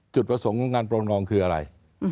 จุดประสงค์งานปรองนองคืออะไร